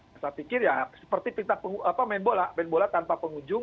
saya pikir ya seperti kita main bola tanpa pengunjung